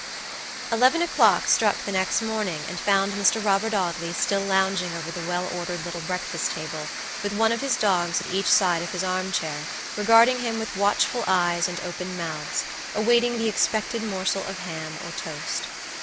Eleven o'clock struck the next morning, and found Mr. Robert Audley still lounging over the well ordered little breakfast table, with one of his dogs at each side of his arm chair, regarding him with watchful eyes and opened mouths, awaiting the expected morsel of ham or toast.